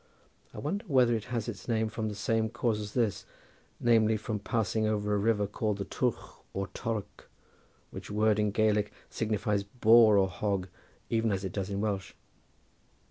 I wonder whether it has its name from the same cause as this, namely, from passing over a river called the Twrch or Torck, which word in Gaelic signifies boar or hog even as it does in Welsh."